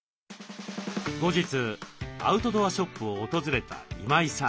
後日アウトドアショップを訪れた今井さん。